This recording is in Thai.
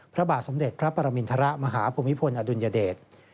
พระบาทสมเด็จพระปรมินทรมาฮภูมิพลอดุลยเดช